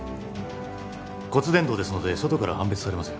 骨伝導ですので外からは判別されません